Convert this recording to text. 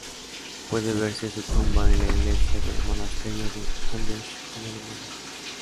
Puede verse su tumba en la iglesia de el monasterio de Andechs, en Alemania.